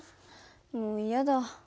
もう嫌だ。